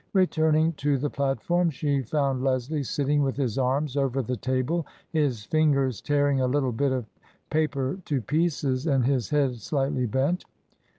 Returning to the plat form, she found Leslie sitting with his arms over the table, his fingers tearing a little bit of paper to pieces, and his head slightly bent.